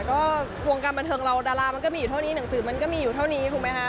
ก็วงการบันเทิงเราดารามันก็มีอยู่เท่านี้หนังสือมันก็มีอยู่เท่านี้ถูกไหมคะ